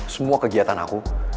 semua kegiatan aku